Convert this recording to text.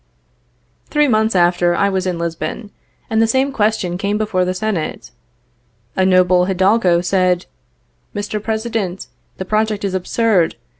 Three months after, I was in Lisbon, and the same question came before the Senate. A noble Hidalgo said: Mr. President, the project is absurd.